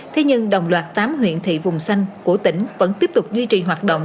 thế nhưng đồng loạt tám huyện thị vùng xanh của tỉnh vẫn tiếp tục duy trì hoạt động